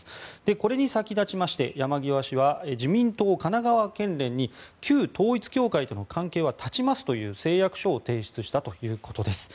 これに先立ちまして山際氏は自民党神奈川県連に旧統一教会との関係は断ちますという誓約書を提出したということです。